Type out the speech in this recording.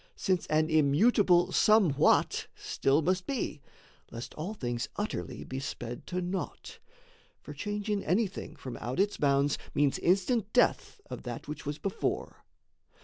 Since an immutable somewhat still must be, Lest all things utterly be sped to naught; For change in anything from out its bounds Means instant death of that which was before.